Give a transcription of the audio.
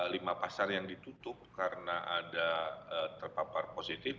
lima pasar yang ditutup karena ada terpapar positif